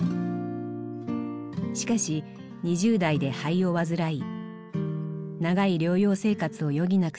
しかし２０代で肺を患い長い療養生活を余儀なくされます。